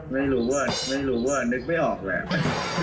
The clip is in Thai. ไม่รู้เวิร์ตไม่รู้เวิร์ตนึกไม่ออกแหละ